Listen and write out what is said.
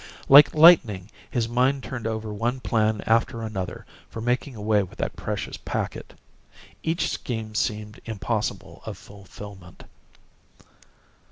Like lightning his mind turned over one plan after another for making away with that precious packet. Each scheme seemed impossible of fulfilment.